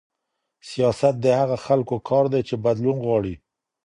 سياست د هغو خلګو کار دی چي بدلون غواړي.